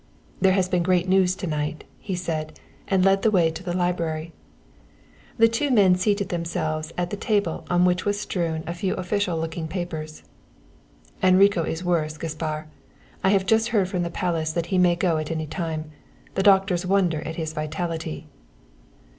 "There has been great news to night," he said, and led the way to the library. The two men seated themselves at the table on which was strewn a few official looking papers. "Enrico is worse, Gaspar; I have just heard from the Palace that he may go at any time. The doctors wonder at his vitality."